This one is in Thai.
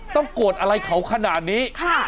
ต้องโกรธอะไรเขาขนาดนี้ค่ะ